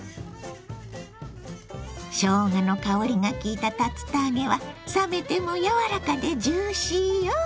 しょうがの香りがきいた竜田揚げは冷めても柔らかでジューシーよ。